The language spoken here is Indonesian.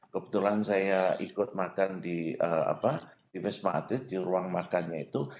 kebetulan saya ikut makan di wisma atlet di ruang makannya itu